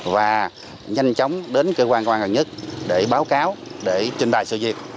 và nhanh chóng đến cơ quan công an gần nhất để báo cáo để trình đài sự việc